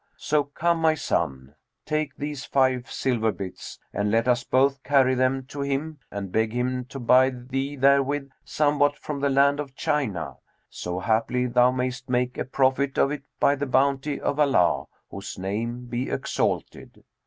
'So come, my son, take these five silver bits; and let us both carry them to him and beg him to buy thee therewith somewhat from the land of China; so haply thou mayst make a profit of it by the bounty of Allah, whose name be exalted!'